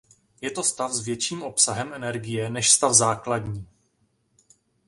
Je to stav s větším obsahem energie než stav základní.